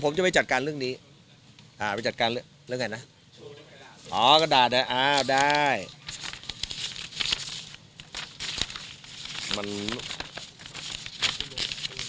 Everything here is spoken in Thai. ตอนสักนี้ใครคือไงจะไปแจ้งความตามเรื่องที่อ๋อเดี๋ยวผมจะไปจัดการเรื่องนี้